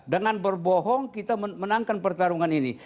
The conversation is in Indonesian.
dengan berbohong kita menangkan pertarungan ini